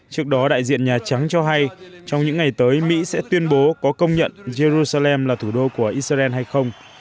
trước đó đại diện nhà trắng cho hay trong những ngày tới mỹ sẽ tuyên bố có công nhận jerusalem là thủ đô của israel hay không